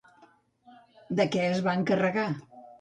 De què es va encarregar?